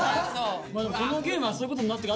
このゲームはそういうことになってく